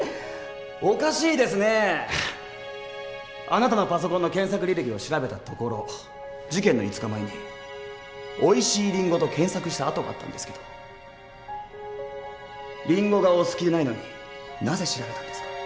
あなたのパソコンの検索履歴を調べたところ事件の５日前に「おいしいりんご」と検索した跡があったんですけどリンゴがお好きでないのになぜ調べたんですか？